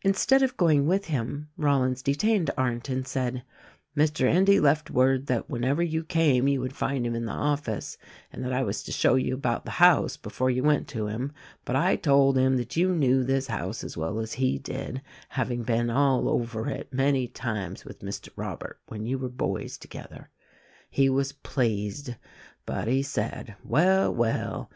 Instead of going with him Rollins detained Arndt and said, "Mr. Endy left word that whenever you came you would find him in the office, and that I was to show you about the house before you went to him ; but I told him that you knew this house as well as he did — having been all over it many times with Mr. Robert, when you were boys together. He was pleased; but he said, 'Well, well!